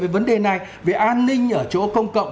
vấn đề này về an ninh ở chỗ công cộng